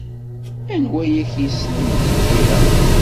Anwa ay ak-yeslemden tira?